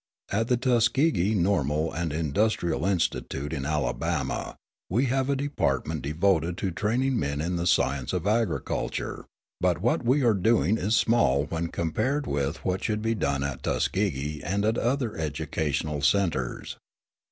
At the Tuskegee Normal and Industrial Institute in Alabama we have a department devoted to training men in the science of agriculture; but what we are doing is small when compared with what should be done at Tuskegee and at other educational centres.